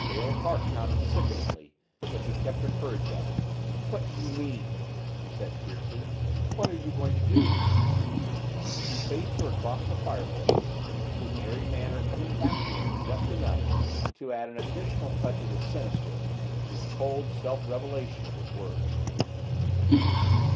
Dale's heart pounded sickeningly but she kept her courage up. "What do you mean?" she said fiercely. "What are you going to do?" He faced her across the fireplace, his airy manner coming back to him just enough to add an additional touch of the sinister to the cold self revelation of his words.